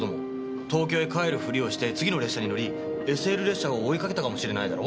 東京へ帰るふりをして次の列車に乗りＳＬ列車を追いかけたかもしれないだろ？